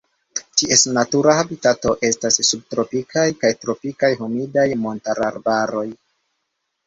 Ties natura habitato estas subtropikaj kaj tropikaj humidaj montararbaroj.